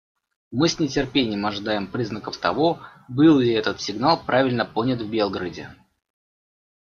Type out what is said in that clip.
Мы с нетерпением ожидаем признаков того, был ли этот сигнал правильно понят в Белграде.